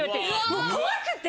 もう怖くて！